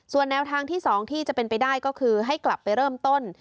ส่วนแนวทางที่๒ที่จะเป็นไปได้ก็คือให้กลับไปเริ่มต้น